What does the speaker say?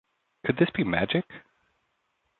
Could This Be Magic?